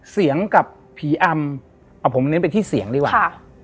เสียงกับผีอำเอาผมเน้นไปที่เสียงดีกว่า